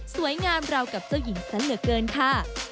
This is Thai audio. สวยงามราวกับเจ้าหญิงสันเหลือเกินค่ะ